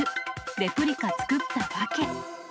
レプリカ作った訳。